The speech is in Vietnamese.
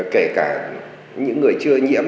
kể cả những người chưa nhiễm